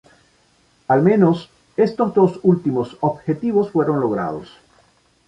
Al menos, estos dos últimos objetivos fueron logrados.